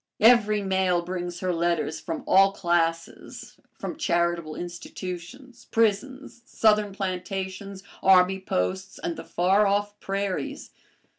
Every mail brings her letters from all classes, from charitable institutions, prisons, Southern plantations, army posts, and the far off prairies.